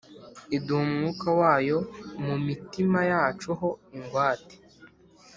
iduha Umwuka wayo mu mitima yacu ho ingwate.